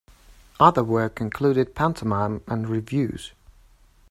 Other work included pantomime and reviews.